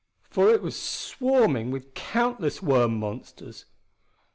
For it was swarming with countless worm monsters!